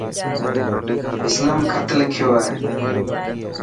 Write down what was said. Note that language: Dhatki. اسلم خطلکيو هي.